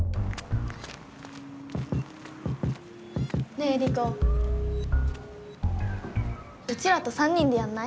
ねえリコうちらと３人でやんない？